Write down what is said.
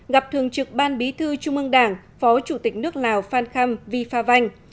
gặp thường trực ban bí thư trung ương đảng phó chủ tịch nước lào phan khâm vi pha vanh